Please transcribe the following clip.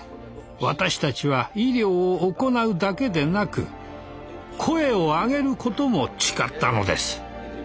私たちは医療を行うだけでなく「声を上げる」ことも誓ったのです。